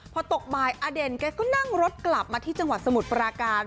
พอตกบ่ายอเด่นแกก็นั่งรถกลับมาที่จังหวัดสมุทรปราการ